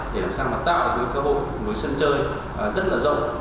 để làm sao mà tạo được cái hộ nối sân chơi rất là rộng